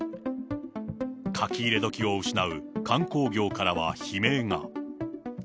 書き入れ時を失う観光業からは悲鳴が。